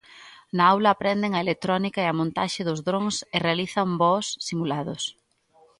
Na aula aprenden a electrónica e a montaxe dos drons e realizan voos simulados.